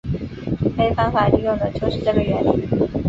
该方法利用的就是这个原理。